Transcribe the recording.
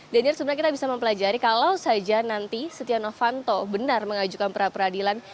dan sebenarnya kita bisa mempelajari kalau saja nanti setia novanto benar mengajukan perapradilan